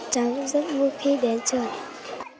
cháu cũng rất vui khi đến trường